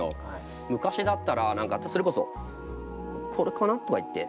昔だったら何かそれこそ「これかな」とか言って。